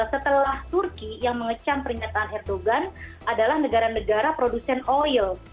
kalau saya melihat setelah turki yang mengecam pernyataan erdogan adalah negara negara produsen oil